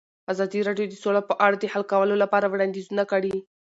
ازادي راډیو د سوله په اړه د حل کولو لپاره وړاندیزونه کړي.